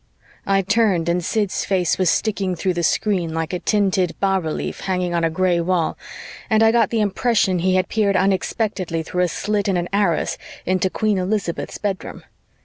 I turned and Sid's face was sticking through the screen like a tinted bas relief hanging on a gray wall and I got the impression he had peered unexpectedly through a slit in an arras into Queen Elizabeth's bedroom.